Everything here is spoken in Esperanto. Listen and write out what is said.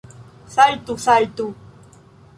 Saltu, saltu!